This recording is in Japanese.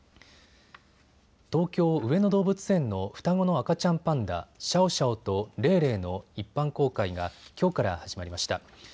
東京上野動物園の双子の赤ちゃんパンダ、シャオシャオとレイレイの一般公開がきょうから始まりました。